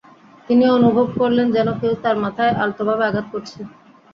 তিনি অনুভব করলেন, যেন কেউ তার মাথায় আলতোভাবে আঘাত করছে।